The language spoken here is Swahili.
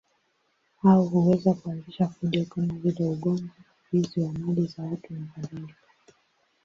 Hao huweza kuanzisha fujo kama vile ugomvi, wizi wa mali za watu nakadhalika.